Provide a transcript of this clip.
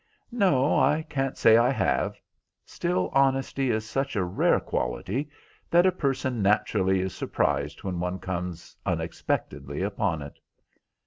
"No, I can't say I have. Still, honesty is such a rare quality that a person naturally is surprised when one comes unexpectedly upon it."